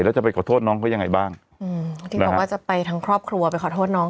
แล้วจะไปขอโทษน้องเขายังไงบ้างอืมที่บอกว่าจะไปทั้งครอบครัวไปขอโทษน้อง